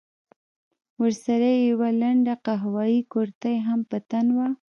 ورسره يې يوه لنډه قهويي کورتۍ هم په تن وه.